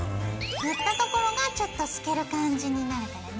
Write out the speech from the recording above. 塗ったところがちょっと透ける感じになるからね。